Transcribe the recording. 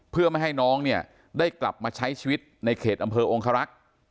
เพื่อไม่ให้น้องเนี่ยได้กลับมาใช้ชีวิตในเขตอำเภอองคารักษ์